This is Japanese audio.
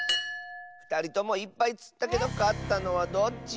ふたりともいっぱいつったけどかったのはどっち？